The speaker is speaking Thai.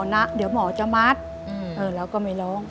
อเรนนี่นี่คือเหตุการณ์เริ่มต้นหลอนช่วงแรกแล้วมีอะไรอีก